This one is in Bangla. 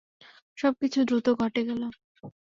সব কিছু দ্রুত ঘটে গেল!